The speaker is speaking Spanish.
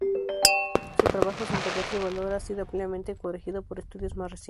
Su trabajo, sin perder su valor, ha sido ampliamente corregido por estudios más recientes.